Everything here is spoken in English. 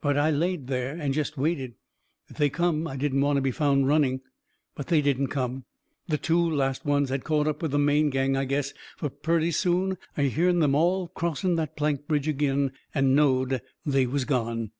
But I laid there, and jest waited. If they come, I didn't want to be found running. But they didn't come. The two last ones had caught up with the main gang, I guess, fur purty soon I hearn them all crossing that plank bridge agin, and knowed they was gone.